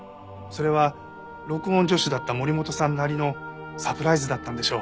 それは録音助手だった森本さんなりのサプライズだったんでしょう。